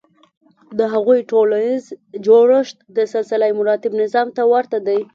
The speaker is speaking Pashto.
د هغوی ټولنیز جوړښت د سلسلهمراتب نظام ته ورته دی.